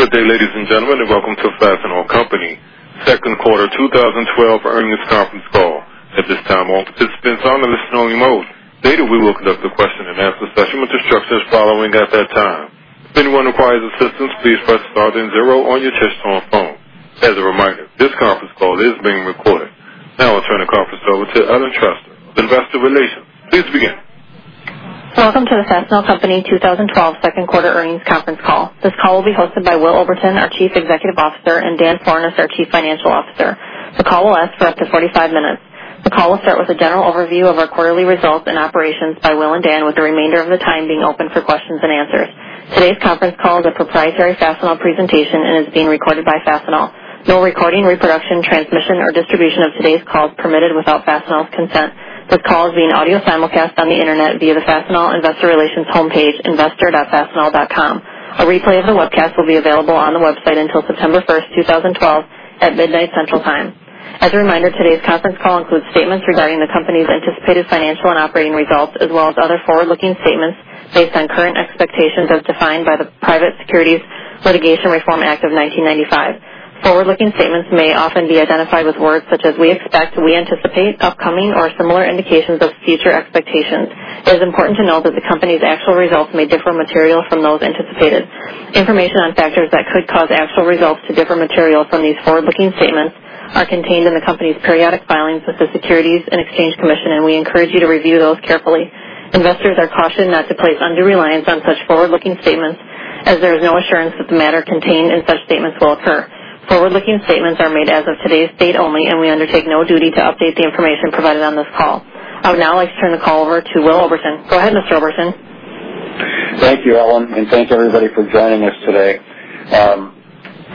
Good day, ladies and gentlemen, and welcome to Fastenal Company Second Quarter 2012 Earnings Conference Call. At this time, all participants are on a listen-only mode. Later, we will conduct a question-and-answer session with instructions following at that time. If anyone requires assistance, please press star then zero on your touch-tone phone. As a reminder, this conference call is being recorded. Now I'll turn the conference over to Ellen Trester, Investor Relations. Please begin. Welcome to the Fastenal Company 2012 second quarter earnings conference call. This call will be hosted by Will Oberton, our Chief Executive Officer, and Dan Florness, our Chief Financial Officer. The call will last for up to 45 minutes. The call will start with a general overview of our quarterly results and operations by Will and Dan, with the remainder of the time being open for questions and answers. Today's conference call is a proprietary Fastenal presentation and is being recorded by Fastenal. No recording, reproduction, transmission, or distribution of today's call is permitted without Fastenal's consent. This call is being audio simulcast on the internet via the Fastenal Investor Relations homepage, investor.fastenal.com. A replay of the webcast will be available on the website until September 1st, 2012, at midnight Central Time. As a reminder, today's conference call includes statements regarding the company's anticipated financial and operating results, as well as other forward-looking statements based on current expectations as defined by the Private Securities Litigation Reform Act of 1995. Forward-looking statements may often be identified with words such as "we expect," "we anticipate," "upcoming," or similar indications of future expectations. It is important to note that the company's actual results may differ materially from those anticipated. Information on factors that could cause actual results to differ materially from these forward-looking statements are contained in the company's periodic filings with the Securities and Exchange Commission, and we encourage you to review those carefully. Investors are cautioned not to place undue reliance on such forward-looking statements as there is no assurance that the matter contained in such statements will occur. Forward-looking statements are made as of today's date only. We undertake no duty to update the information provided on this call. I would now like to turn the call over to Will Oberton. Go ahead, Mr. Oberton. Thank you, Ellen, and thanks everybody for joining us today.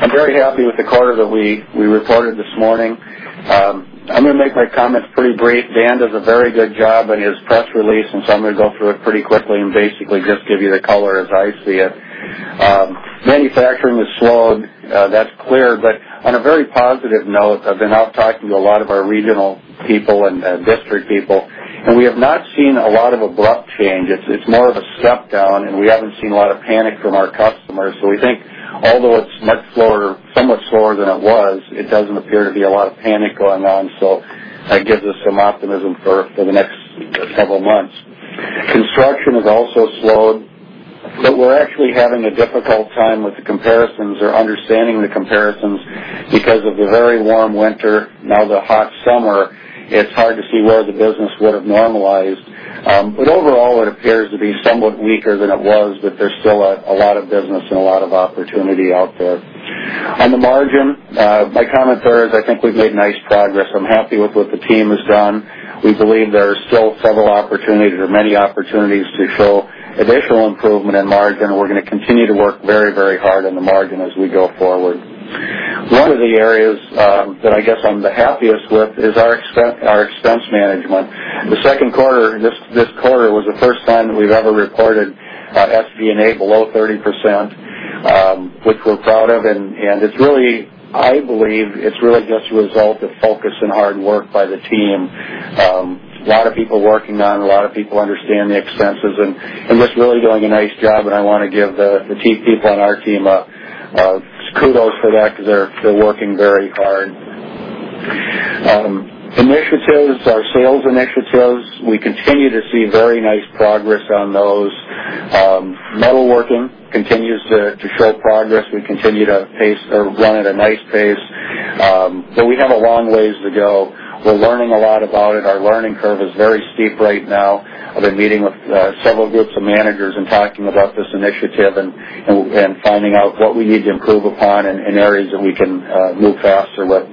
I'm very happy with the quarter that we reported this morning. I'm going to make my comments pretty brief. Dan does a very good job in his press release. I'm going to go through it pretty quickly and basically just give you the color as I see it. Manufacturing has slowed. That's clear. On a very positive note, I've been out talking to a lot of our regional people and district people, and we have not seen a lot of abrupt change. It's more of a step-down, and we haven't seen a lot of panic from our customers. We think although it's much slower, somewhat slower than it was, it doesn't appear to be a lot of panic going on. That gives us some optimism for the next several months. Construction has also slowed, but we're actually having a difficult time with the comparisons or understanding the comparisons because of the very warm winter, now the hot summer. It's hard to see where the business would have normalized. Overall, it appears to be somewhat weaker than it was, but there's still a lot of business and a lot of opportunity out there. On the margin, my comment there is I think we've made nice progress. I'm happy with what the team has done. We believe there are still several opportunities or many opportunities to show additional improvement in margin, and we're going to continue to work very hard on the margin as we go forward. One of the areas that I guess I'm the happiest with is our expense management. The second quarter, this quarter, was the first time that we've ever reported SG&A below 30%, which we're proud of, and I believe it's really just a result of focus and hard work by the team. A lot of people working on, a lot of people understand the expenses, and just really doing a nice job, and I want to give the key people on our team kudos for that because they're working very hard. Initiatives, our sales initiatives, we continue to see very nice progress on those. metalworking continues to show progress. We continue to run at a nice pace. We have a long ways to go. We're learning a lot about it. Our learning curve is very steep right now. I've been meeting with several groups of managers and talking about this initiative and finding out what we need to improve upon and areas that we can move faster with.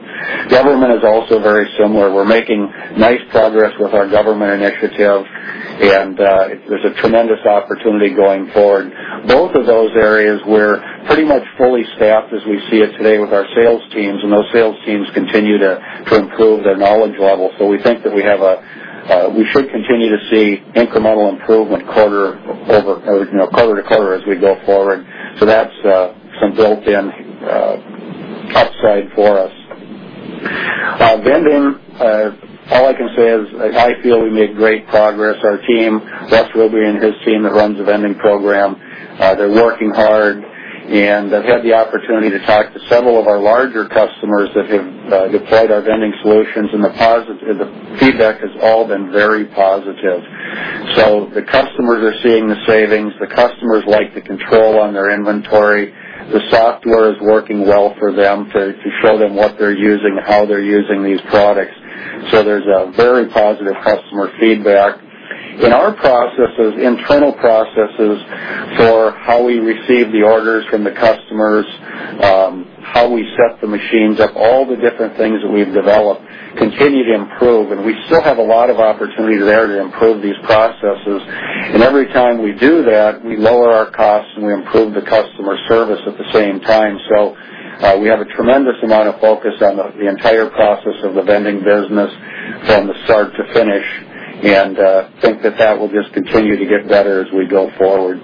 Government is also very similar. We're making nice progress with our government initiative, and there's a tremendous opportunity going forward. Both of those areas, we're pretty much fully staffed as we see it today with our sales teams, and those sales teams continue to improve their knowledge level. We think that we should continue to see incremental improvement quarter to quarter as we go forward. That's some built-in upside for us. Vending, all I can say is I feel we made great progress. Our team, Russ Widby and his team that runs the vending program, they're working hard. I've had the opportunity to talk to several of our larger customers that have deployed our vending solutions. The feedback has all been very positive. The customers are seeing the savings. The customers like the control on their inventory. The software is working well for them to show them what they're using and how they're using these products. There's a very positive customer feedback. In our processes, internal processes for how we receive the orders from the customers, how we set the machines up, all the different things that we've developed continue to improve. We still have a lot of opportunity there to improve these processes. Every time we do that, we lower our costs, and we improve the customer service at the same time. We have a tremendous amount of focus on the entire process of the vending business from the start to finish and think that that will just continue to get better as we go forward.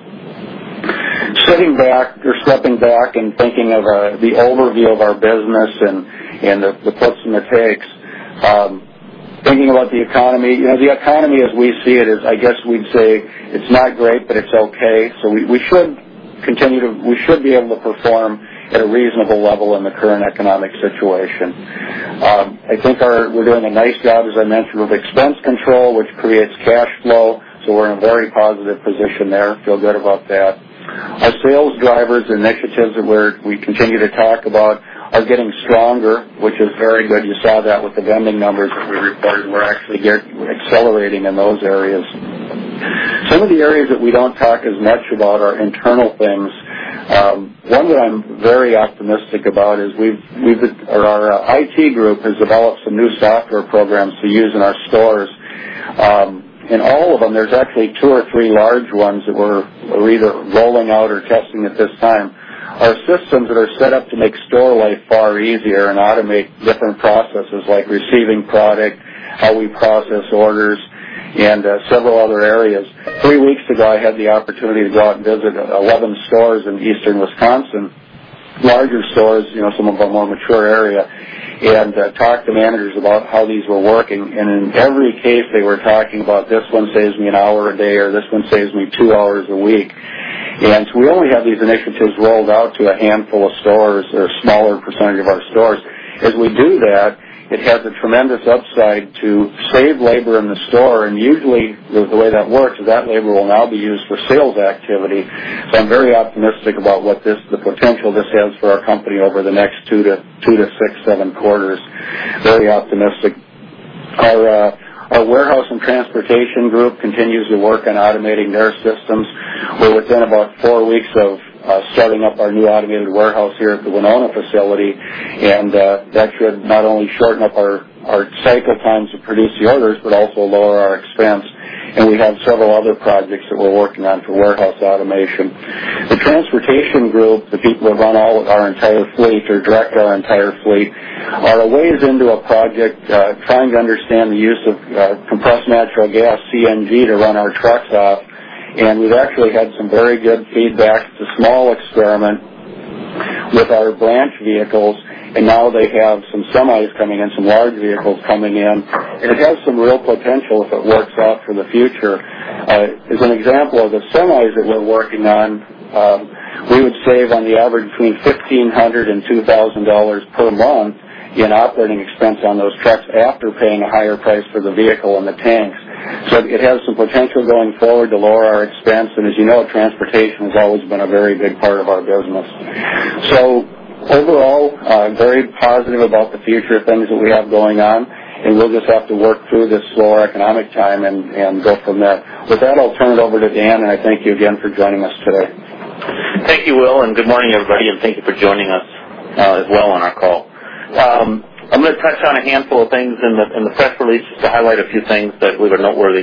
Stepping back and thinking of the overview of our business and the puts and the takes. Thinking about the economy, the economy as we see it is, I guess we'd say it's not great, but it's okay. We should be able to perform at a reasonable level in the current economic situation. I think we're doing a nice job, as I mentioned, with expense control, which creates cash flow. We're in a very positive position there. Feel good about that. Our sales drivers initiatives that we continue to talk about are getting stronger, which is very good. You saw that with the vending numbers that we reported. We're actually accelerating in those areas. Some of the areas that we don't talk as much about are internal things. One that I'm very optimistic about is our IT group has developed some new software programs to use in our stores. In all of them, there's actually two or three large ones that we're either rolling out or testing at this time. Our systems that are set up to make store life far easier and automate different processes like receiving product, how we process orders, and several other areas. Three weeks ago, I had the opportunity to go out and visit 11 stores in Eastern Wisconsin, larger stores, some of our more mature area, and talk to managers about how these were working. In every case, they were talking about, "This one saves me an hour a day," or, "This one saves me two hours a week." We only have these initiatives rolled out to a handful of stores or a smaller percentage of our stores. As we do that, it has a tremendous upside to save labor in the store. Usually, the way that works is that labor will now be used for sales activity. I'm very optimistic about the potential this has for our company over the next two to six, seven quarters. Very optimistic. Our warehouse and transportation group continues to work on automating their systems. We're within about four weeks of setting up our new automated warehouse here at the Winona facility. That should not only shorten up our cycle times to produce the orders, but also lower our expense. We have several other projects that we're working on for warehouse automation. The transportation group, the people that run all of our entire fleet or direct our entire fleet, are a ways into a project trying to understand the use of compressed natural gas, CNG, to run our trucks off. We've actually had some very good feedback. It's a small experiment with our branch vehicles, and now they have some semis coming in, some large vehicles coming in, and it has some real potential if it works out for the future. As an example, the semis that we're working on, we would save on the average between $1,500 and $2,000 per month in operating expense on those trucks after paying a higher price for the vehicle and the tanks. It has some potential going forward to lower our expense, and as you know, transportation has always been a very big part of our business. Overall, very positive about the future things that we have going on, and we'll just have to work through this slower economic time and go from there. With that, I'll turn it over to Dan, I thank you again for joining us today. Thank you, Will, good morning, everybody, thank you for joining us as well on our call. I'm going to touch on a handful of things in the press release just to highlight a few things that we believe are noteworthy.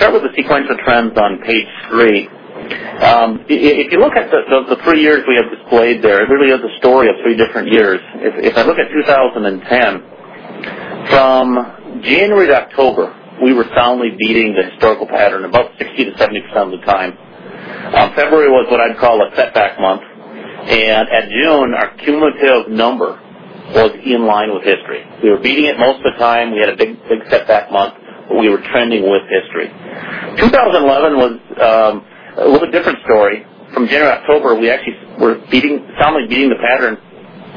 Start with the sequential trends on page three. If you look at the three years we have displayed there, it really is a story of three different years. If I look at 2010, from January to October, we were soundly beating the historical pattern about 60%-70% of the time. February was what I'd call a setback month, and at June, our cumulative number was in line with history. We were beating it most of the time. We had a big setback month, but we were trending with history. 2011 was a little bit different story. From January to October, we actually were soundly beating the pattern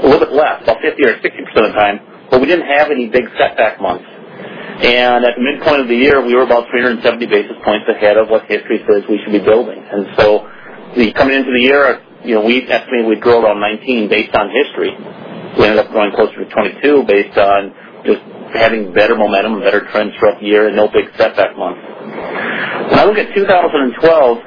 a little bit less, about 50% or 60% of the time, we didn't have any big setback months. At the midpoint of the year, we were about 370 basis points ahead of what history says we should be building. Coming into the year, we estimated we'd grow around 19 based on history. We ended up growing closer to 22 based on just having better momentum, better trends throughout the year, and no big setback months. When I look at 2012,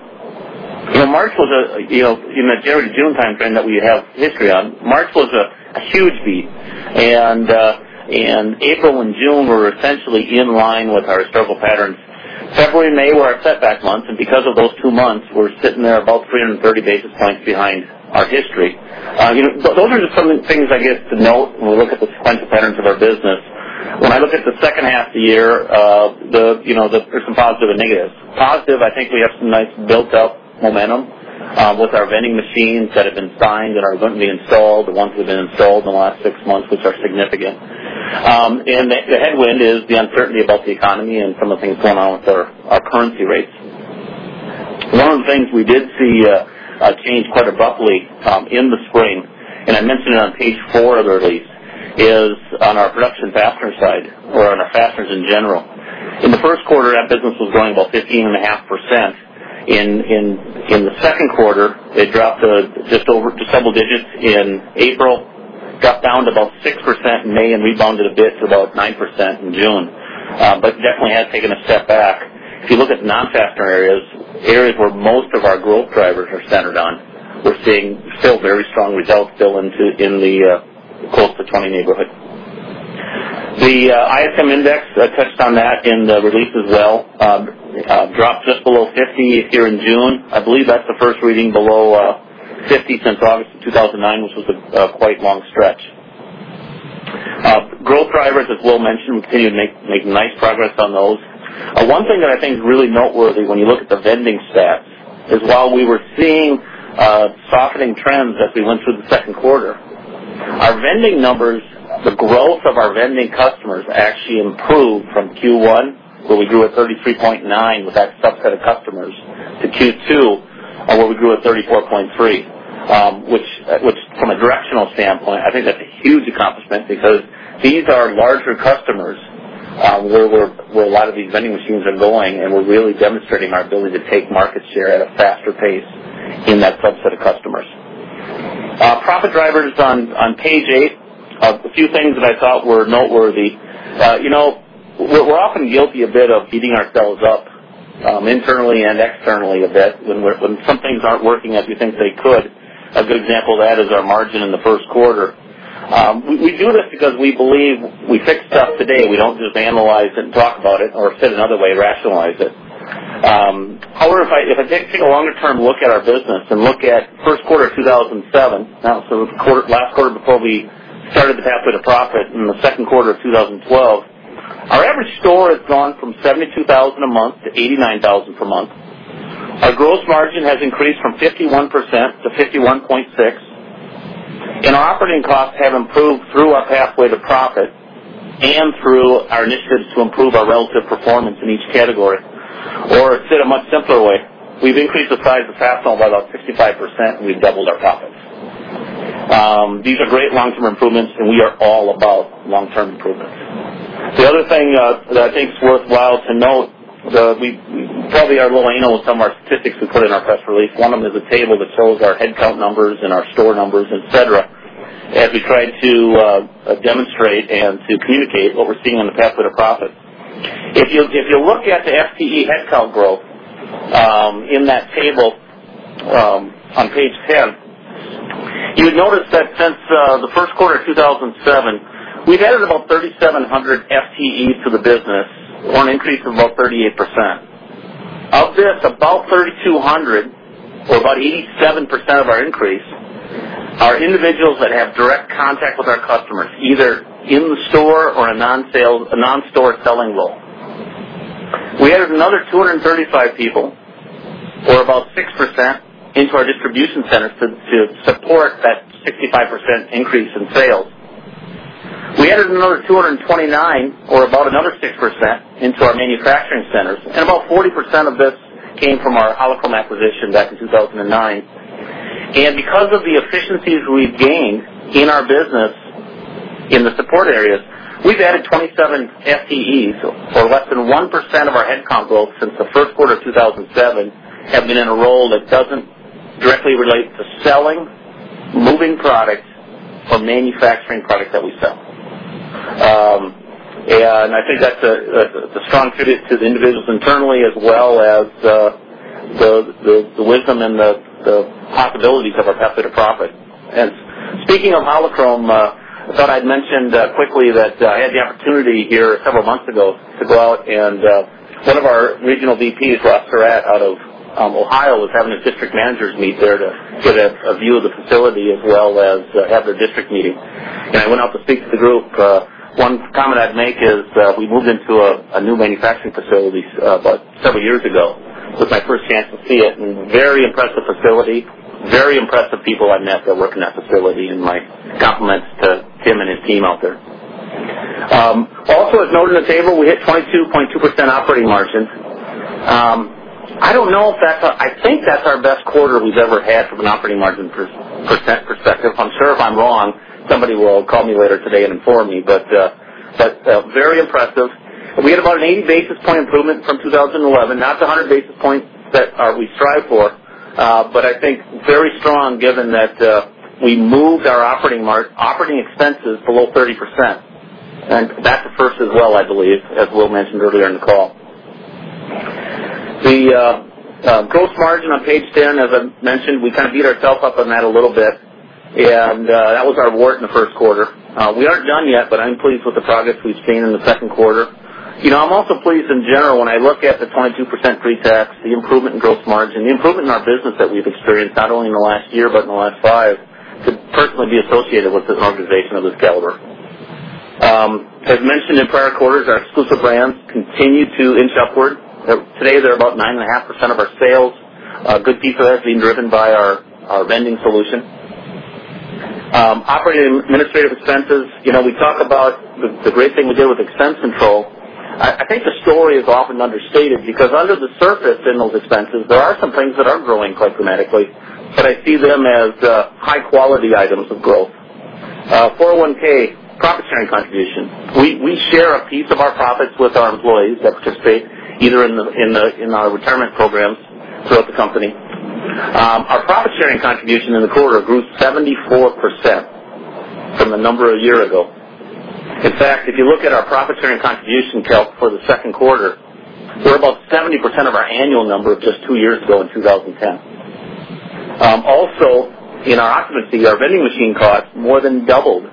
you know March was in the January to June time frame that we have history on, March was a huge beat, April and June were essentially in line with our historical patterns. February and May were our setback months, and because of those two months, we're sitting there about 330 basis points behind our history. Those are just some of the things, I guess, to note when we look at the sequential patterns of our business. When I look at the second half of the year, there's some positives and negatives. Positive, I think we have some nice built-up momentum with our vending machines that have been signed and are going to be installed, the ones that have been installed in the last six months, which are significant. The headwind is the uncertainty about the economy and some of the things going on with our currency rates. One of the things we did see change quite abruptly come in the spring, and I mentioned it on page four of the release, is on our production fastener side or on our fasteners in general. In the first quarter, that business was growing about 15.5%. In the second quarter, it dropped to just over to several digits in April, got down to about 6% in May, and rebounded a bit to about 9% in June. Definitely has taken a step back. If you look at non-fastener areas where most of our growth drivers are centered on, we're seeing still very strong results still in the close to 20 neighborhood. The ISM Index, I touched on that in the release as well. Dropped just below 50 here in June. I believe that's the first reading below 50 since August of 2009, which was a quite long stretch. Growth drivers, as Will mentioned, we continue to make nice progress on those. One thing that I think is really noteworthy when you look at the vending stats is while we were seeing softening trends as we went through the second quarter, our vending numbers, the growth of our vending customers actually improved from Q1, where we grew at 33.9 with that subset of customers, to Q2, where we grew at 34.3, which from a directional standpoint, I think that's a huge accomplishment because these are larger customers, where a lot of these vending machines are going, and we're really demonstrating our ability to take market share at a faster pace in that subset of customers. Profit drivers on page eight, a few things that I thought were noteworthy. We're often guilty a bit of beating ourselves up, internally and externally a bit when some things aren't working as we think they could. A good example of that is our margin in the first quarter. We do this because we believe we fix stuff today. We don't just analyze it and talk about it, or said another way, rationalize it. However, if I take a longer-term look at our business and look at the first quarter of 2007, so the last quarter before we started the Pathway to Profit, and the second quarter of 2012, our average store has gone from 72,000 a month to 89,000 per month. Our gross margin has increased from 51% to 51.6, and our operating costs have improved through our Pathway to Profit and through our initiatives to improve our relative performance in each category. Said a much simpler way, we've increased the size of Fastenal by about 65%, and we've doubled our profits. These are great long-term improvements, and we are all about long-term improvements. The other thing that I think is worthwhile to note, you probably are well aware with some of our statistics we put in our press release. One of them is a table that shows our headcount numbers and our store numbers, et cetera, as we tried to demonstrate and to communicate what we're seeing on the Pathway to Profit. If you look at the FTE headcount growth in that table on page 10, you would notice that since the first quarter of 2007, we've added about 3,700 FTEs to the business, or an increase of about 38%. Of this, about 3,200, or about 87% of our increase, are individuals that have direct contact with our customers, either in the store or a non-store selling role. We added another 235 people, or about 6%, into our distribution centers to support that 65% increase in sales. We added another 229, or about another 6%, into our manufacturing centers, and about 40% of this came from our Holo-Krome acquisition back in 2009. Because of the efficiencies we've gained in our business in the support areas, we've added 27 FTEs, or less than 1% of our headcount growth since the first quarter of 2007, have been in a role that doesn't directly relate to selling, moving products, or manufacturing products that we sell. I think that's a strong tribute to the individuals internally as well as the wisdom and the possibilities of our Pathway to Profit. Speaking of Holo-Krome, I thought I'd mention quickly that I had the opportunity here several months ago to go out, and one of our Regional VPs, Ross Surratt, out of Ohio, was having his district managers meet there to get a view of the facility as well as have their district meeting. I went out to speak to the group. One comment I'd make is we moved into a new manufacturing facility several years ago. It was my first chance to see it, and very impressive facility, very impressive people I met that work in that facility, and my compliments to Tim and his team out there. Also, as noted in the table, we hit 22.2% operating margins. I think that's our best quarter we've ever had from an operating margin % perspective. I'm sure if I'm wrong, somebody will call me later today and inform me. That's very impressive. We had about an 80-basis point improvement from 2011. Not the 100 basis points that we strive for, but I think very strong given that we moved our operating expenses below 30%. That's a first as well, I believe, as Will mentioned earlier in the call. The gross margin on page 10, as I mentioned, we kind of beat ourself up on that a little bit, and that was our wart in the first quarter. We aren't done yet, but I'm pleased with the progress we've seen in the second quarter. I'm also pleased in general when I look at the 22% pre-tax, the improvement in gross margin, the improvement in our business that we've experienced not only in the last year but in the last five, to personally be associated with an organization of this caliber. As mentioned in prior quarters, our exclusive brands continue to inch upward. Today, they're about 9.5% of our sales. A good piece of that is being driven by our vending solution. Operating and administrative expenses. We talk about the great thing we did with expense control. I think the story is often understated because under the surface in those expenses, there are some things that are growing quite dramatically, but I see them as high-quality items of growth. 401 profit-sharing contribution. We share a piece of our profits with our employees that participate either in our retirement programs throughout the company. Our profit-sharing contribution in the quarter grew 74% from the number a year ago. In fact, if you look at our profit-sharing contribution count for the second quarter, we're about 70% of our annual number just two years ago in 2010. Also, in our occupancy, our vending machine costs more than doubled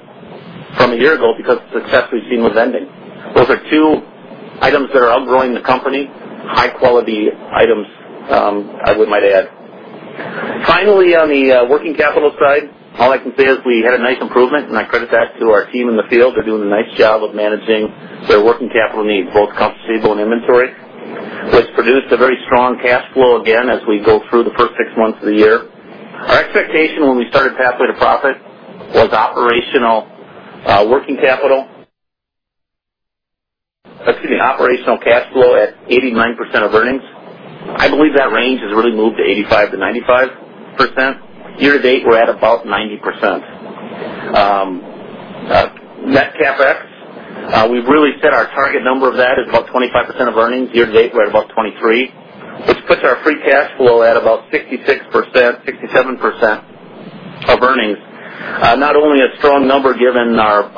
from a year ago because of the success we've seen with vending. Those are two items that are outgrowing the company, high-quality items, I might add. Finally, on the working capital side, all I can say is we had a nice improvement, and I credit that to our team in the field. They're doing a nice job of managing their working capital needs, both accounts receivable and inventory, which produced a very strong cash flow again, as we go through the first six months of the year. Our expectation when we started Pathway to Profit was operational cash flow at 89% of earnings. I believe that range has really moved to 85%-95%. Year-to-date, we're at about 90%. Net CapEx, we've really set our target number of that is about 25% of earnings. Year-to-date, we're at about 23%, which puts our free cash flow at about 66%, 67% of earnings. Not only a strong number given our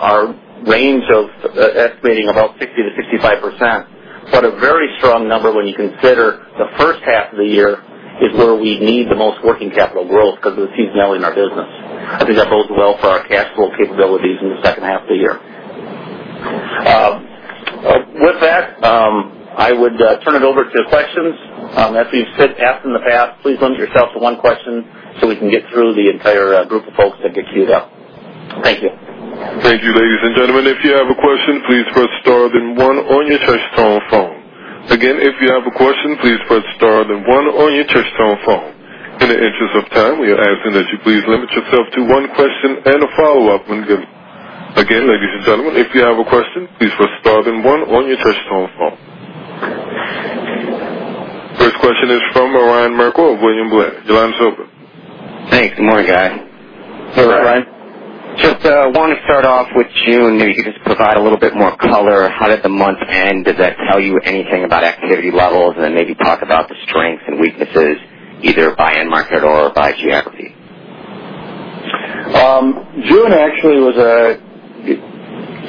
range of estimating about 60%-65%, but a very strong number when you consider the first half of the year is where we need the most working capital growth because of the seasonality in our business. I think that bodes well for our cash flow capabilities in the second half of the year. With that, I would turn it over to questions. As we've said in the past, please limit yourself to one question so we can get through the entire group of folks that get queued up. Thank you. Thank you, ladies and gentlemen. If you have a question, please press star then one on your touch-tone phone. Again, if you have a question, please press star then one on your touch-tone phone. In the interest of time, we are asking that you please limit yourself to one question and a follow-up, when given. Again, ladies and gentlemen, if you have a question, please press star then one on your touch-tone phone. First question is from Ryan Merkel, William Blair. Go on, Ryan. Thanks. Good morning, guys. Hello, Ryan. Just wanted to start off with June. Maybe you could just provide a little bit more color. How did the month end? Does that tell you anything about activity levels? Then maybe talk about the strengths and weaknesses, either by end market or by geography. June actually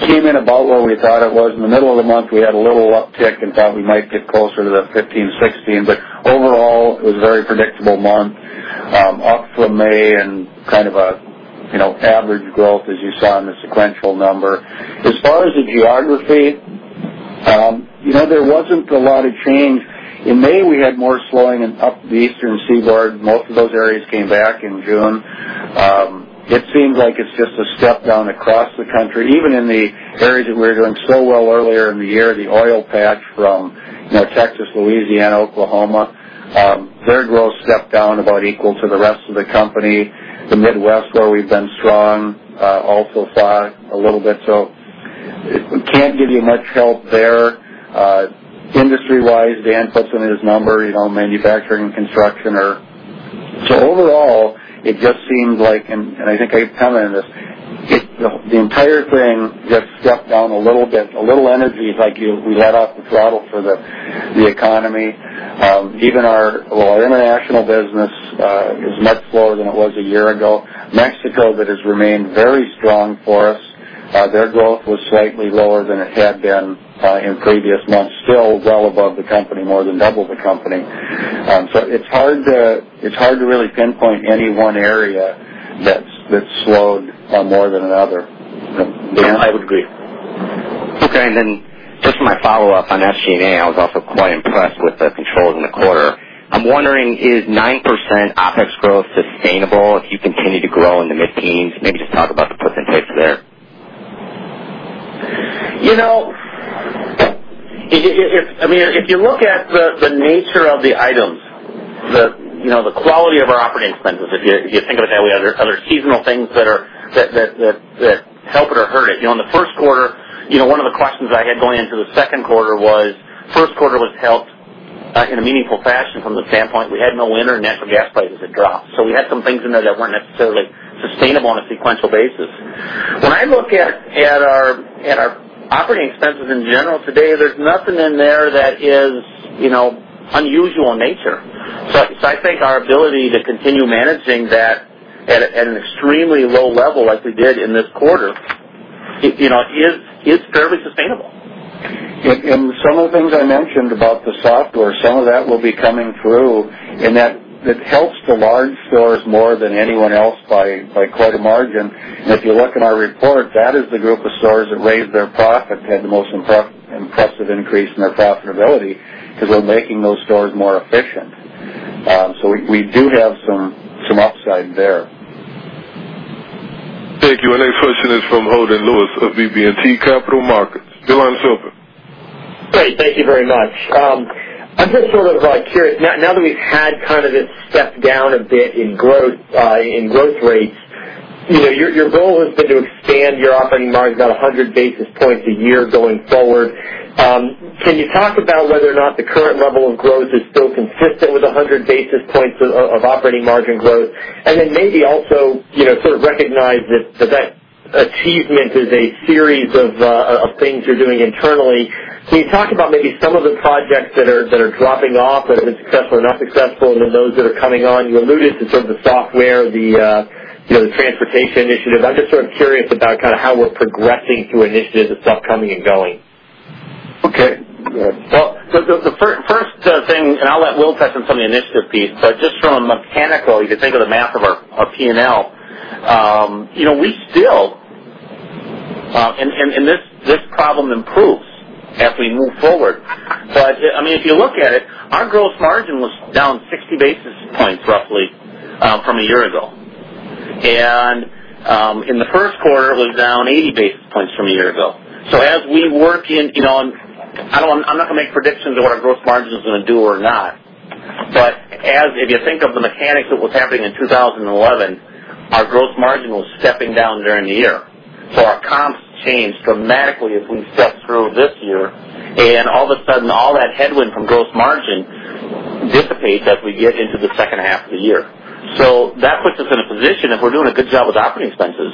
came in about where we thought it was. In the middle of the month, we had a little uptick and thought we might get closer to the 15, 16. Overall, it was a very predictable month. Up from May and an average growth, as you saw in the sequential number. As far as the geography, there wasn't a lot of change. In May, we had more slowing up the Eastern Seaboard. Most of those areas came back in June. It seems like it's just a step down across the country. Even in the areas that were doing so well earlier in the year, the oil patch from Texas, Louisiana, Oklahoma, their growth stepped down about equal to the rest of the company. The Midwest, where we've been strong, also flagged a little bit. We can't give you much help there. Industry-wise, overall, it just seems like, and I think I commented on this, the entire thing just stepped down a little bit. A little energy, like we let off the throttle for the economy. Even our international business is much slower than it was a year ago. Mexico, that has remained very strong for us, their growth was slightly lower than it had been in previous months. Still well above the company, more than double the company. It's hard to really pinpoint any one area that's slowed more than another. Dan? I would agree. Just my follow-up on SG&A. I was also quite impressed with the controls in the quarter. I'm wondering, is 9% OpEx growth sustainable if you continue to grow in the mid-teens? Maybe just talk about the percentages there. If you look at the nature of the items, the quality of our operating expenses, if you think of it that way, are there seasonal things that help it or hurt it? In the first quarter, one of the questions I had going into the second quarter was, first quarter was helped in a meaningful fashion from the standpoint we had no winter and natural gas prices had dropped. We had some things in there that weren't necessarily sustainable on a sequential basis. When I look at our operating expenses in general today, there's nothing in there that is unusual in nature. I think our ability to continue managing that at an extremely low level, as we did in this quarter, is fairly sustainable. Some of the things I mentioned about the software, some of that will be coming through, and that helps the large stores more than anyone else by quite a margin. If you look in our report, that is the group of stores that raised their profit, they had the most impressive increase in their profitability, because we're making those stores more efficient. We do have some upside there. Thank you. Our next question is from Holden Lewis of BB&T Capital Markets. Go on, Holden. Great. Thank you very much. I'm just sort of curious. Now that we've had kind of this step down a bit in growth rates, your goal has been to expand your operating margin about 100 basis points a year going forward. Can you talk about whether or not the current level of growth is still consistent with 100 basis points of operating margin growth? Then maybe also sort of recognize that that achievement is a series of things you're doing internally. Can you talk about maybe some of the projects that are dropping off as successful or not successful, then those that are coming on? You alluded to sort of the software, the transportation initiative. I'm just sort of curious about kind of how we're progressing through initiatives and stuff coming and going. Okay. Well, the first thing, and I'll let Will touch on some of the initiative piece, but just from a mechanical, you can think of the math of our P&L. We still. This problem improves as we move forward. If you look at it, our gross margin was down 60 basis points roughly from a year ago. In the first quarter, it was down 80 basis points from a year ago. As we work, I'm not going to make predictions on what our growth margin's going to do or not, but if you think of the mechanics of what's happening in 2011, our growth margin was stepping down during the year. Our comps changed dramatically as we stepped through this year, and all of a sudden, all that headwind from gross margin dissipates as we get into the second half of the year. That puts us in a position, if we're doing a good job with operating expenses,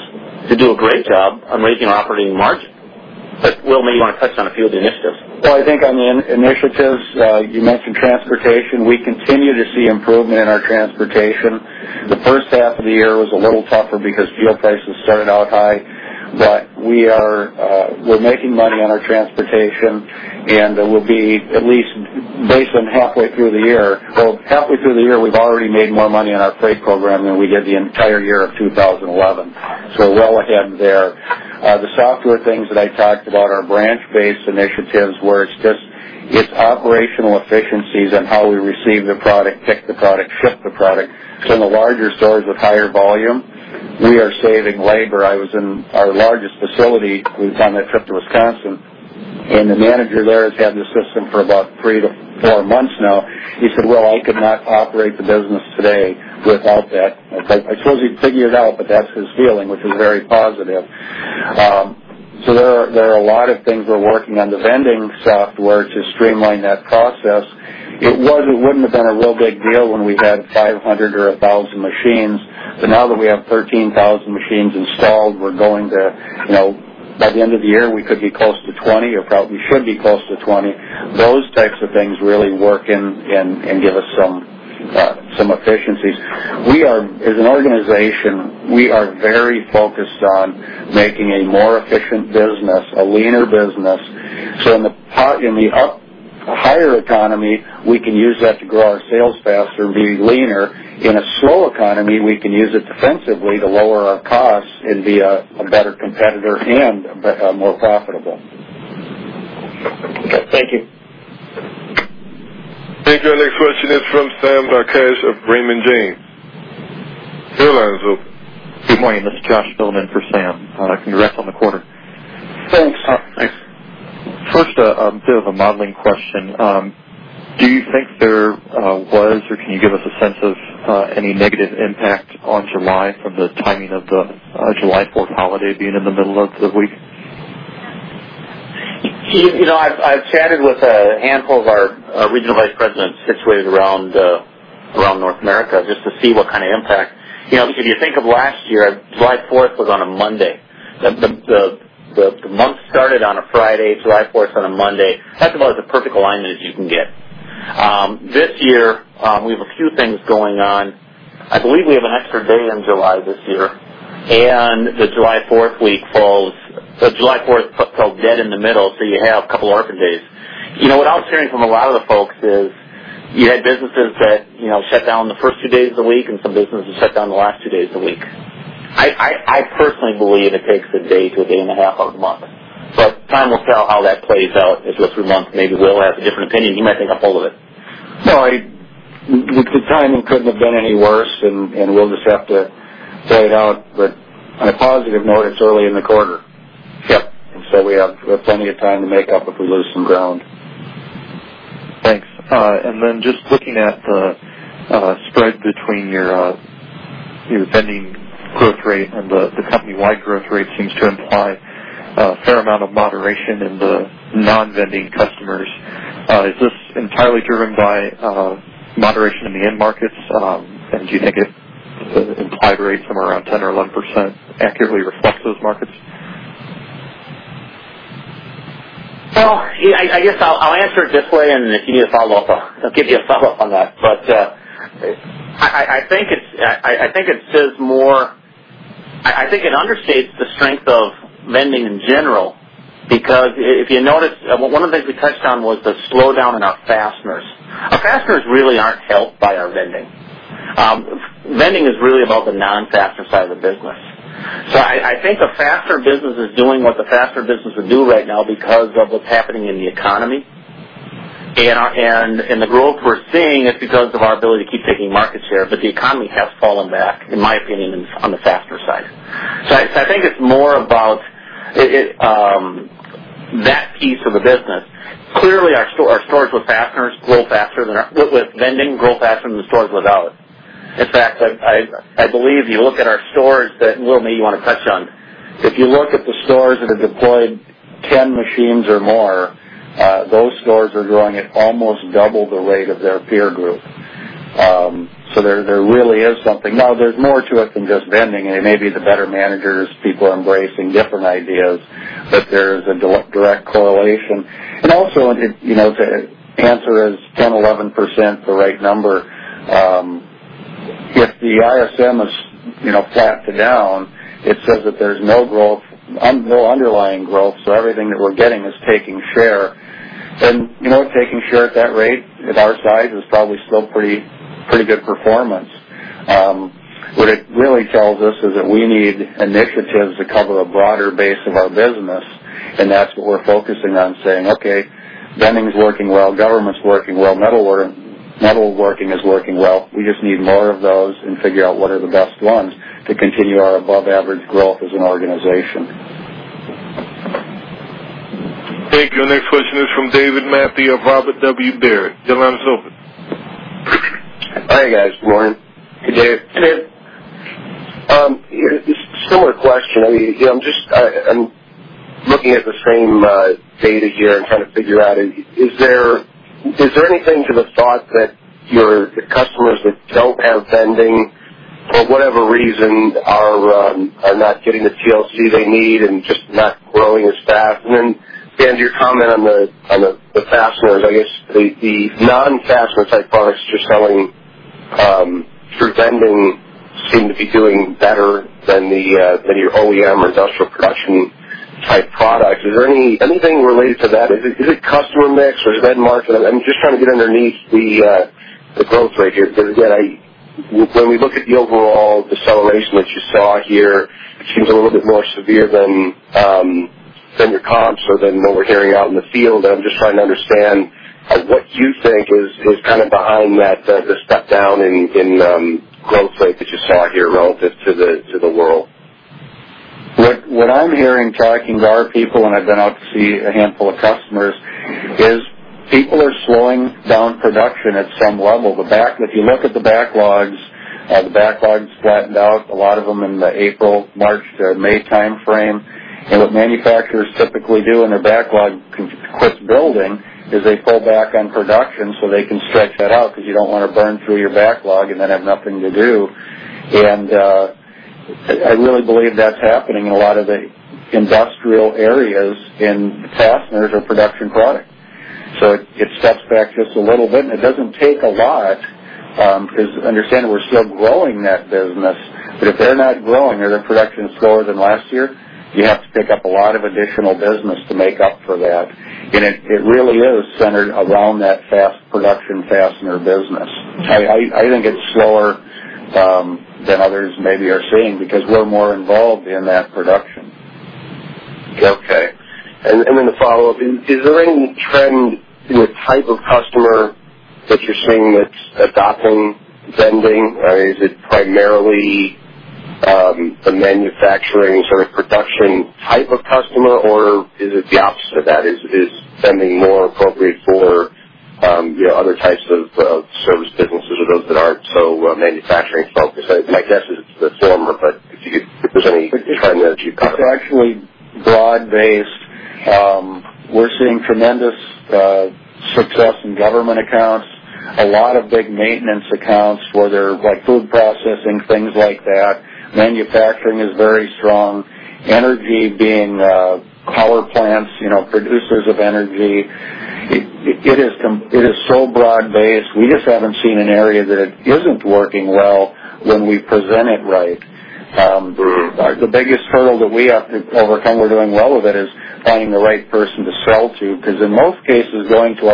to do a great job on raising our operating margin. Will, maybe you want to touch on a few of the initiatives. I think on the initiatives, you mentioned transportation. We continue to see improvement in our transportation. The first half of the year was a little tougher because fuel prices started out high. We're making money on our transportation, and we'll be at least based on halfway through the year. Halfway through the year, we've already made more money on our freight program than we did the entire year of 2011. We're well ahead there. The software things that I talked about are branch-based initiatives, where it's operational efficiencies on how we receive the product, pick the product, ship the product. In the larger stores with higher volume, we are saving labor. I was in our largest facility. It was on that trip to Wisconsin, and the manager there has had the system for about three to four months now. He said, "I could not operate the business today without that." I suppose he'd figure it out, but that's his feeling, which is very positive. There are a lot of things we're working on the vending software to streamline that process. It wouldn't have been a real big deal when we had 500 or 1,000 machines, but now that we have 13,000 machines installed, by the end of the year, we could be close to 20 or probably should be close to 20. Those types of things really work and give us some efficiencies. As an organization, we are very focused on making a more efficient business, a leaner business. In the higher economy, we can use that to grow our sales faster and be leaner. In a slow economy, we can use it defensively to lower our costs and be a better competitor and more profitable. Okay. Thank you. Thank you. Our next question is from Sam Darkatsh of Raymond James. Your line is open. Good morning. This is Josh filling in for Sam. Congrats on the quarter. Thanks. First, a bit of a modeling question. Do you think there was, or can you give us a sense of any negative impact on July from the timing of the July 4th holiday being in the middle of the week? I've chatted with a handful of our regional vice presidents situated around North America just to see what kind of impact. If you think of last year, July 4th was on a Monday. The month started on a Friday, July 4th on a Monday. That's about as a perfect alignment as you can get. This year, we have a few things going on. I believe we have an extra day in July this year, and the July 4th fell dead in the middle, so you have a couple orphan days. What I was hearing from a lot of the folks is you had businesses that shut down the first two days of the week, and some businesses shut down the last two days of the week. I personally believe it takes a day to a day and a half out of the month, but time will tell how that plays out as we go through months. Maybe Will has a different opinion. He might make up all of it. No. The timing couldn't have been any worse, we'll just have to play it out. On a positive note, it's early in the quarter. Yes. We have plenty of time to make up if we lose some ground. Thanks. Just looking at the spread between your vending growth rate and the company-wide growth rate seems to imply a fair amount of moderation in the non-vending customers. Is this entirely driven by moderation in the end markets? Do you think it implies rates from around 10% or 11% accurately reflects those markets? I guess I'll answer it this way, if you need a follow-up, I'll give you a follow-up on that. I think it understates the strength of vending in general because if you notice, one of the things we touched on was the slowdown in our fasteners. Our fasteners really aren't helped by our vending. Vending is really about the non-fastener side of the business. I think a fastener business is doing what the fastener business would do right now because of what's happening in the economy. The growth we're seeing is because of our ability to keep taking market share. The economy has fallen back, in my opinion, on the fastener side. I think it's more about that piece of the business. Clearly, our stores with vending grow faster than the stores without. In fact, I believe you look at our stores. Will, maybe you want to touch on. If you look at the stores that have deployed 10 machines or more, those stores are growing at almost double the rate of their peer group. There really is something. Now, there's more to it than just vending. It may be the better managers, people embracing different ideas, but there is a direct correlation. Also, to answer is 10%, 11% the right number. If the ISM is flat to down, it says that there's no underlying growth. Everything that we're getting is taking share. Taking share at that rate, at our size, is probably still pretty good performance. What it really tells us is that we need initiatives to cover a broader base of our business. That's what we're focusing on, saying, "Okay, vending is working well, government's working well, metalworking is working well." We just need more of those and figure out what are the best ones to continue our above-average growth as an organization. Thank you. Next question is from David Manthey of Robert W. Baird. Your line is open. Hi, guys. Good morning. Hey, Dave. Hey. Similar question. I'm looking at the same data here and trying to figure out. Is there anything to the thought that your customers that don't have vending, for whatever reason, are not getting the TLC they need and just not growing as fast? Then, Dan, your comment on the fasteners. I guess the non-fastener-type products that you're selling through vending seem to be doing better than your OEM or industrial production-type products. Is there anything related to that? Is it customer mix, or is it end market? I'm just trying to get underneath the growth rate here, because, again, when we look at the overall deceleration that you saw here, it seems a little bit more severe than your comps or than what we're hearing out in the field. I'm just trying to understand what you think is behind that, the step-down in growth rate that you saw here relative to the world. What I'm hearing, talking to our people, and I've been out to see a handful of customers, is people are slowing down production at some level. If you look at the backlogs, the backlogs flattened out, a lot of them in the April, March to May timeframe. What manufacturers typically do when their backlog quits building is they pull back on production, so they can stretch that out because you don't want to burn through your backlog and then have nothing to do. I really believe that's happening in a lot of the industrial areas in fasteners or production product. It steps back just a little bit, and it doesn't take a lot, because understand that we're still growing that business. If they're not growing or their production is slower than last year, you have to pick up a lot of additional business to make up for that. It really is centered around that fast production fastener business. I think it's slower than others maybe are seeing because we're more involved in that production. Okay. The follow-up, is there any trend in the type of customer that you're seeing that's adopting vending? Is it primarily a manufacturing sort of production type of customer, or is it the opposite of that? Is vending more appropriate for other types of service businesses or those that aren't so manufacturing-focused? My guess is it's the former, but if there's any trend that you've got. It's actually broad-based. We're seeing tremendous success in government accounts, a lot of big maintenance accounts where they're food processing, things like that. Manufacturing is very strong. Energy being power plants, producers of energy. It is so broad-based. We just haven't seen an area that it isn't working well when we present it right. The biggest hurdle that we have to overcome, we're doing well with it, is finding the right person to sell to, because in most cases, going to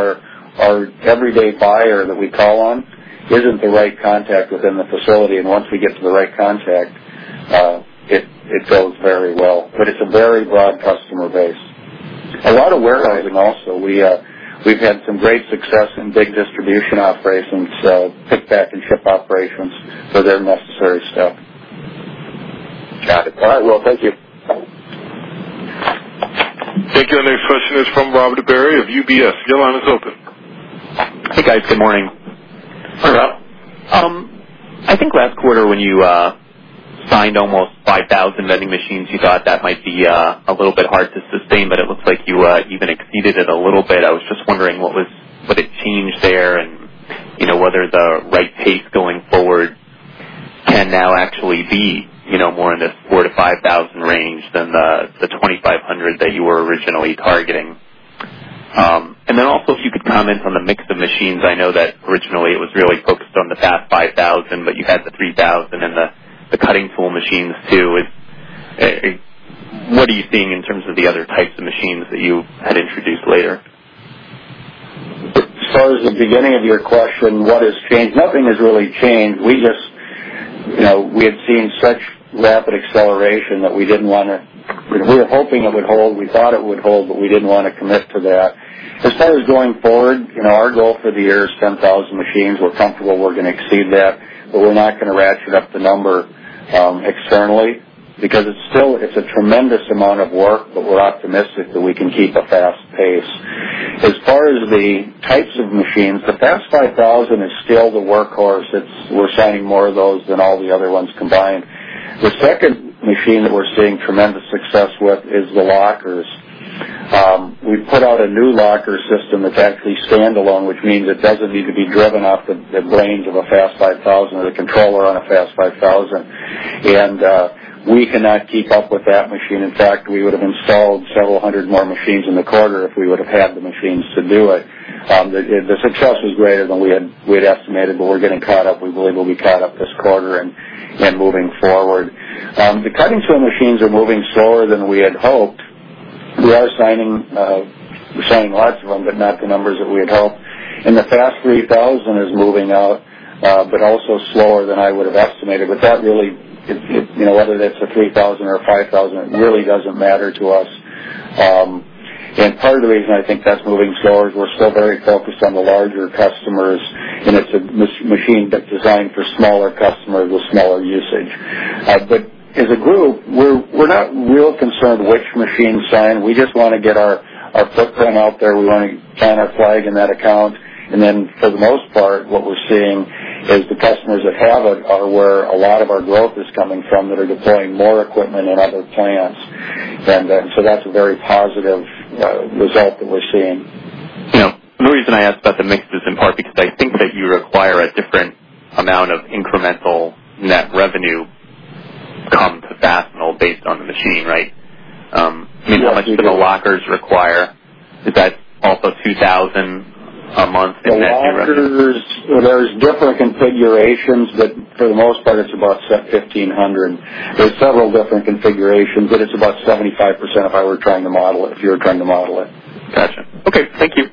our everyday buyer that we call on isn't the right contact within the facility. Once we get to the right contact, it goes very well. It's a very broad customer base. A lot of warehousing also. We've had some great success in big distribution operations, so pick, pack, and ship operations for their necessary stuff. Got it. All right. Well, thank you. Thank you. Our next question is from Robert Berry of UBS. Your line is open. Hey, guys. Good morning. Hi, Rob. I think last quarter when you signed almost 5,000 vending machines, you thought that might be a little bit hard to sustain, but it looks like you even exceeded it a little bit. I was just wondering what had changed there and whether the right pace going forward can now actually be more in the 4,000-5,000 range than the 2,500 that you were originally targeting. Also, if you could comment on the mix of machines. I know that originally it was really focused on the FAST 5000, but you had the 3,000 and the cutting tool machines too. What are you seeing in terms of the other types of machines that you had introduced later? As far as the beginning of your question, what has changed? Nothing has really changed. We had seen such rapid acceleration that we were hoping it would hold. We thought it would hold, but we didn't want to commit to that. As far as going forward, our goal for the year is 10,000 machines. We're comfortable we're going to exceed that, but we're not going to ratchet up the number externally because it's a tremendous amount of work, but we're optimistic that we can keep a fast pace. As far as the types of machines, the FAST 5000 is still the workhorse. We're selling more of those than all the other ones combined. The second machine that we're seeing tremendous success with is the lockers. We put out a new locker system that's actually standalone, which means it doesn't need to be driven off the brains of a FAST 5000 or the controller on a FAST 5000. We cannot keep up with that machine. In fact, we would have installed several hundred more machines in the quarter if we would have had the machines to do it. The success was greater than we had estimated, but we're getting caught up. We believe we'll be caught up this quarter and moving forward. The cutting tool machines are moving slower than we had hoped. We are signing lots of them, but not the numbers that we had hoped. The FAST 3000 is moving out, but also slower than I would've estimated. But that really, whether that's a 3000 or a 5000, it really doesn't matter to us. Part of the reason I think that's moving slower is we're still very focused on the larger customers, and it's a machine that's designed for smaller customers with smaller usage. As a group, we're not real concerned which machine signed. We just want to get our footprint out there. We want to plant our flag in that account. Then for the most part, what we're seeing is the customers that have it are where a lot of our growth is coming from, that are deploying more equipment in other plants. So that's a very positive result that we're seeing. The reason I ask about the mix is in part because I think that you require a different amount of incremental net revenue come to Fastenal based on the machine, right? Yes, you do. How much do the lockers require? Is that also $2,000 a month in net new revenue? The lockers, there's different configurations, but for the most part, it's about $1,500. There's several different configurations, but it's about 75% if you were trying to model it. Got you. Okay. Thank you.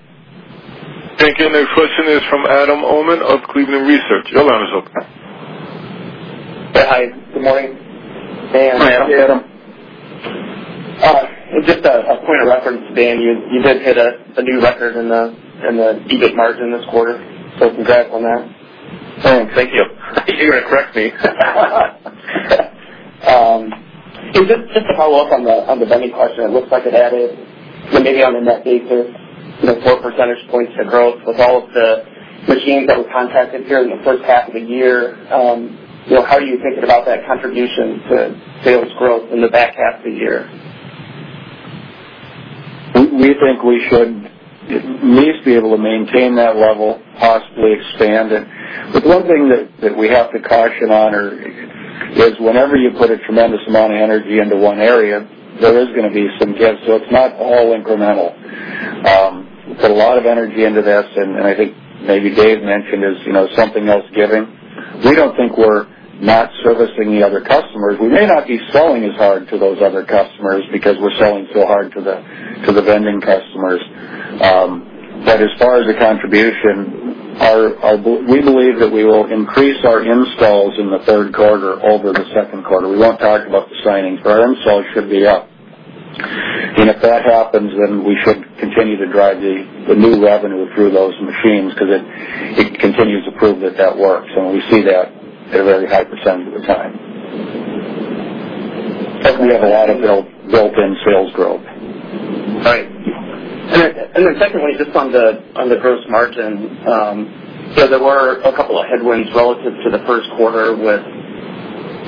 Thank you. The next question is from Adam Uhlman of Cleveland Research. Your line is open. Yeah. Hi, good morning. Hi, Adam. Hey, Adam. Just a point of reference, Dan, you did hit a new record in the EBIT margin this quarter, congrats on that. Thanks. Thank you. I thought you were going to correct me. Just to follow up on the vending question, it looks like it added, maybe on a net basis, four percentage points to growth. With all of the machines that was contracted here in the first half of the year, how are you thinking about that contribution to sales growth in the back half of the year? We think we should at least be able to maintain that level, possibly expand it. The one thing that we have to caution on is whenever you put a tremendous amount of energy into one area, there is going to be some give. It's not all incremental. We put a lot of energy into this, and I think maybe Dave mentioned, is something else giving. We don't think we're not servicing the other customers. We may not be selling as hard to those other customers because we're selling so hard to the vending customers. As far as the contribution, we believe that we will increase our installs in the third quarter over the second quarter. We won't talk about the signings, but our installs should be up. If that happens, then we should continue to drive the new revenue through those machines because it continues to prove that that works. We see that a very high % of the time. Plus, we have a lot of built-in sales growth. Right. Then secondly, just on the gross margin, there were a couple of headwinds relative to the first quarter with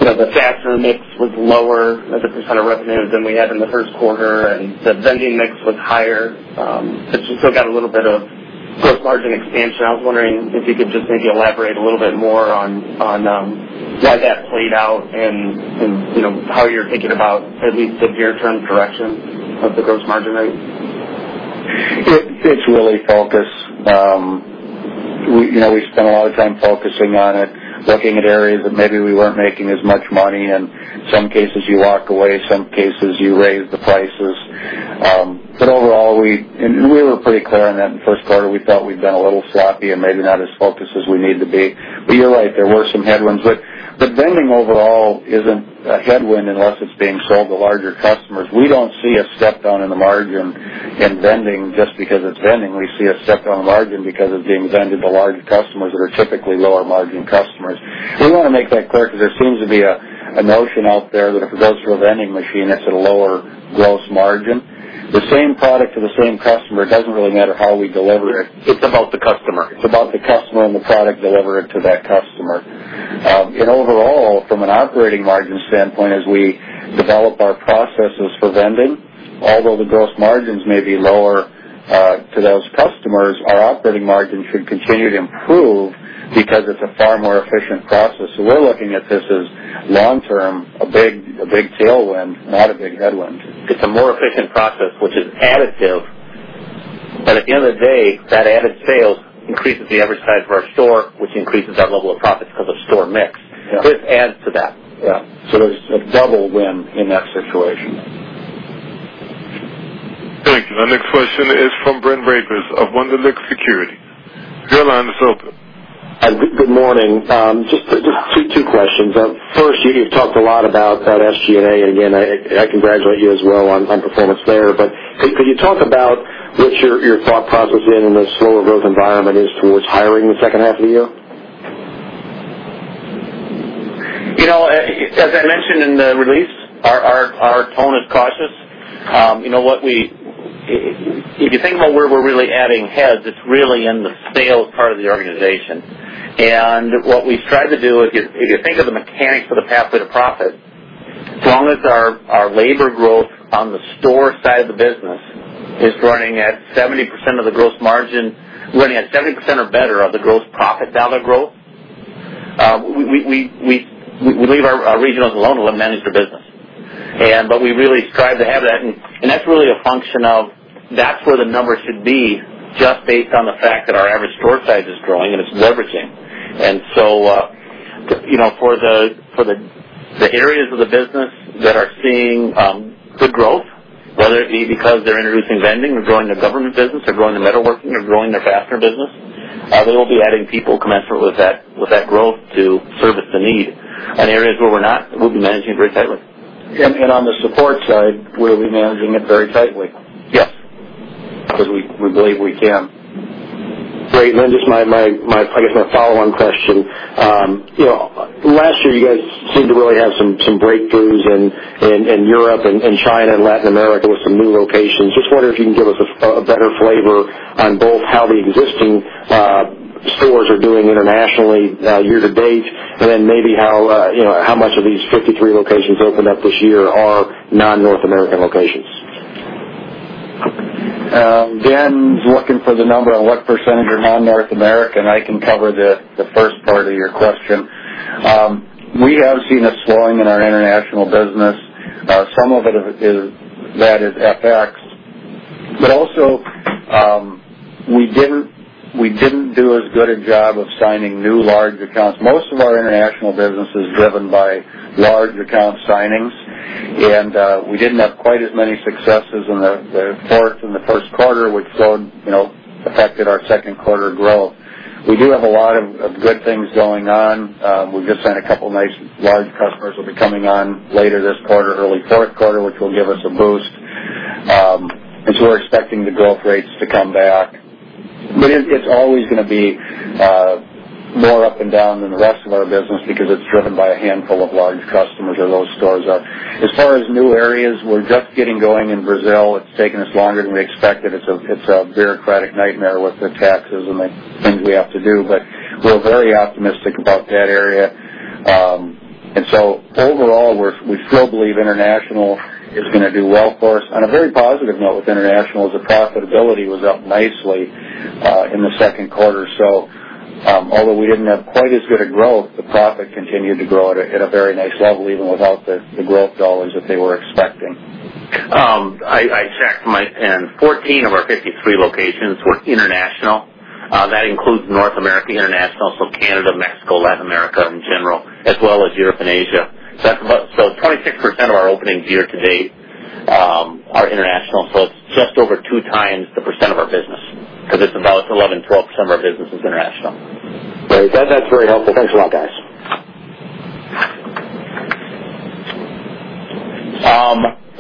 the fastener mix was lower as a % of revenue than we had in the first quarter, and the vending mix was higher. It's still got a little bit of gross margin expansion. I was wondering if you could just maybe elaborate a little bit more on why that played out and how you're thinking about at least the near-term direction of the gross margin rate. It's really focused. We spent a lot of time focusing on it, looking at areas that maybe we weren't making as much money. In some cases, you walk away, some cases, you raise the prices. Overall, and we were pretty clear on that in the first quarter, we felt we'd been a little sloppy and maybe not as focused as we need to be. You're right, there were some headwinds. Vending overall isn't a headwind unless it's being sold to larger customers. We don't see a step down in the margin in vending just because it's vending. We see a step down in margin because it's being vended to larger customers that are typically lower margin customers. We want to make that clear because there seems to be a notion out there that if it goes through a vending machine, it's at a lower gross margin. The same product to the same customer, it doesn't really matter how we deliver it. It's about the customer. It's about the customer and the product delivered to that customer. Overall, from an operating margin standpoint, as we develop our processes for vending, although the gross margins may be lower to those customers, our operating margin should continue to improve because it's a far more efficient process. We're looking at this as long-term, a big tailwind, not a big headwind. It's a more efficient process, which is additive. At the end of the day, that added sales increases the average size of our store, which increases our level of profits because of store mix. Yeah. This adds to that there's a double win in that situation. Thank you. The next question is from Brent Ragers of Wunderlich Securities. Your line is open. Good morning. Just two questions. First, you talked a lot about SG&A. Again, I congratulate you as well on performance there. Could you talk about what your thought process in the slower growth environment is towards hiring the second half of the year? As I mentioned in the release, our tone is cautious. If you think about where we're really adding heads, it's really in the sales part of the organization. What we've tried to do, if you think of the mechanics of the Pathway to Profit, as long as our labor growth on the store side of the business is running at 70% or better of the gross profit dollar growth, we leave our regionals alone and let them manage their business We really strive to have that, and that's really a function of that's where the number should be, just based on the fact that our average store size is growing and it's leveraging. For the areas of the business that are seeing good growth, whether it be because they're introducing vending or growing their government business or growing their metalworking or growing their fastener business, they will be adding people commensurate with that growth to service the need. Areas where we're not, we'll be managing very tightly. On the support side, we'll be managing it very tightly. Yes. Because we believe we can. Great. My follow-on question. Last year, you guys seemed to really have some breakthroughs in Europe and China and Latin America with some new locations. Wonder if you can give us a better flavor on both how the existing stores are doing internationally year-to-date, and then maybe how much of these 53 locations opened up this year are non-North American locations? Dan's looking for the number on what percentage are non-North American. I can cover the first part of your question. We have seen a slowing in our international business. Some of that is FX. We didn't do as good a job of signing new large accounts. Most of our international business is driven by large account signings, and we didn't have quite as many successes in the first quarter, which affected our second quarter growth. We do have a lot of good things going on. We just signed a couple nice large customers who'll be coming on later this quarter, early fourth quarter, which will give us a boost. We're expecting the growth rates to come back. It's always going to be more up and down than the rest of our business because it's driven by a handful of large customers or those stores. As far as new areas, we're just getting going in Brazil. It's taken us longer than we expected. It's a bureaucratic nightmare with the taxes and the things we have to do. We're very optimistic about that area. Overall, we still believe international is going to do well for us. On a very positive note with international is the profitability was up nicely in the second quarter. Although we didn't have quite as good a growth, the profit continued to grow at a very nice level, even without the growth dollars that they were expecting. I checked my pen. 14 of our 53 locations were international. That includes North America International, so Canada, Mexico, Latin America in general, as well as Europe and Asia. 26% of our openings year-to-date are international, so it's just over two times the percent of our business, because it's about 11%, 12% of our business is international. Great. That's very helpful. Thanks a lot, guys.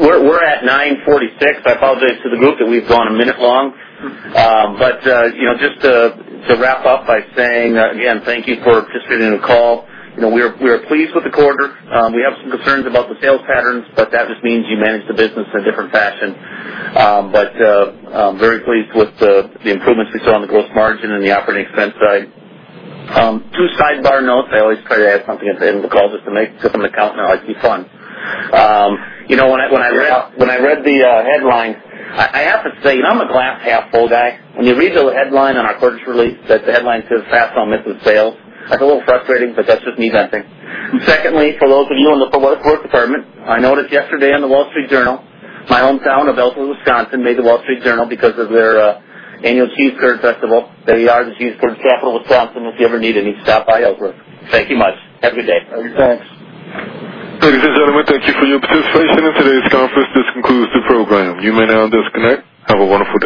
We're at 9:46 A.M. I apologize to the group that we've gone a minute long. Just to wrap up by saying, again, thank you for participating in the call. We are pleased with the quarter. We have some concerns about the sales patterns, that just means you manage the business in a different fashion. I'm very pleased with the improvements we saw on the gross margin and the operating expense side. Two sidebar notes. I always try to add something at the end of the call just to make something that's out there like be fun. When I read the headline, I have to say, I'm a glass-half-full guy. When you read the headline on our quarters release, that the headline says, "Fastenal misses sales," that's a little frustrating, that's just me venting. Secondly, for those of you in the public works department, I noticed yesterday in The Wall Street Journal, my hometown of Elkhorn, Wisconsin, made The Wall Street Journal because of their annual cheese curd festival. They are the cheese curd capital of Wisconsin, if you ever need any. Stop by Elkhorn. Thank you much. Have a good day. Thanks. Ladies and gentlemen, thank you for your participation in today's conference. This concludes the program. You may now disconnect. Have a wonderful day.